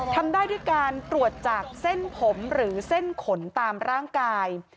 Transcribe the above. ทำได้ด้วยการตรวจจากเส้นผมหรือเส้นขนตามร่างกาย